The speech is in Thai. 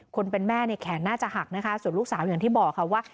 คนเป็นแม่เนี่ยแขนน่าจะหักนะคะส่วนลูกสาวอย่างที่บอกค่ะว่า